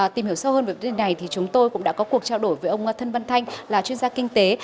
tìm hiểu sâu hơn về vấn đề này thì chúng tôi cũng đã có cuộc trao đổi với ông thân văn thanh là chuyên gia kinh tế